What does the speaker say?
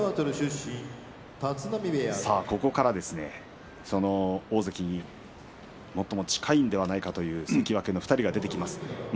もっと、いつもはもっとここから大関に最も近いのではないかという関脇の２人が出てきます。